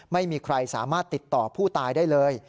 ไม่มีใครสามารถติดต่อผู้ตายได้เลย